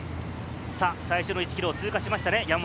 最初の１ｋｍを通過しましたね？